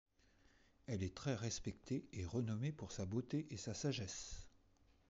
Elle est très respectée et renommée pour sa beauté et sa sagesse.